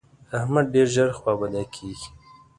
احمد ډېر ژر خوابدی کېږي.